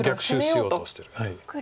逆襲しようとしてる。